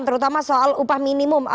terutama soal upah minimum